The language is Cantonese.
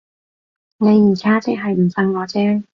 你而家即係唔信我啫